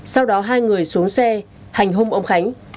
sau đó hai người xuống xe hành hung ông khánh